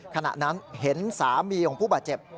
ขณะนั้นเห็นสามีของผู้บาดเจ็บ